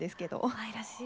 愛らしい。